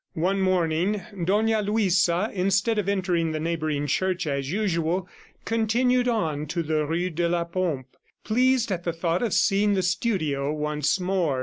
One morning Dona Luisa, instead of entering the neighboring church as usual, continued on to the rue de la Pompe, pleased at the thought of seeing the studio once more.